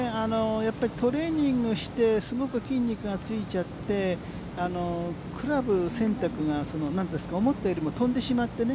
やっぱりトレーニングしてすごく筋肉がついちゃってクラブ選択が思ったよりも飛んでしまってね。